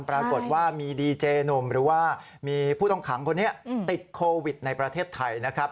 ปรากฏว่ามีดีเจหนุ่มหรือว่ามีผู้ต้องขังคนนี้ติดโควิดในประเทศไทยนะครับ